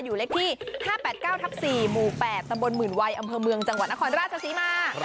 อยู่เลขที่๕๘๙ทับ๔หมู่๘ตำบลหมื่นวัยอำเภอเมืองจังหวัดนครราชศรีมา